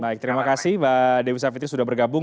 baik terima kasih mbak dewi savitri sudah bergabung